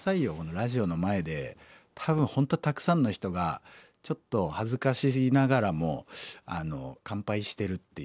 ラジオの前で多分本当たくさんの人がちょっと恥ずかしがりながらも乾杯してるっていう。